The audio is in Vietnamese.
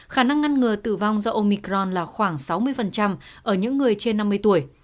khả năng ngăn ngừa tử vong do omicron là khoảng sáu mươi ở những người trên năm mươi tuổi